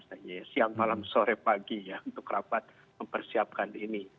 siang malam sore pagi ya untuk rapat mempersiapkan ini